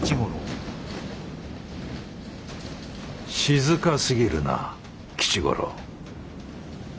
静かすぎるな吉五郎。